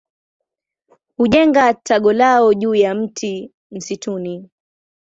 Hujenga tago lao juu ya mti msituni.